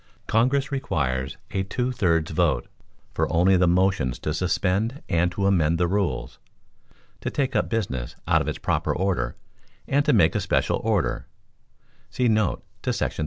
Congress requires a two thirds vote for only the motions to suspend and to amend the Rules, to take up business out of its proper order, and to make a special order [see note to § 37].